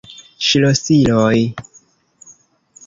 Ŝlosiloj!